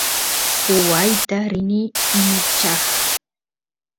waayta rini michaqy